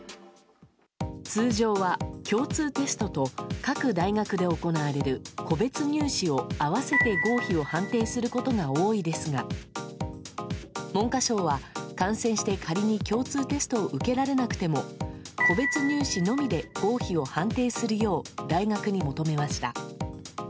通常は、共通テストと各大学で行われる個別入試を併せて合否を判定することが多いですが文科省は感染して仮に共通テストを受けられなくても個別入試のみで合否を判定するよう大学に求めました。